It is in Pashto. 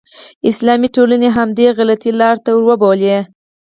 اسلامي ټولنې همدې غلطې لارې ته وربولي.